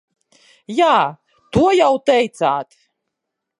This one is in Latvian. Jā, to jau teicāt.